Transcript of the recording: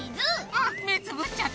あっ！